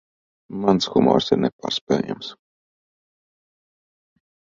Mans humors ir nepārspējams.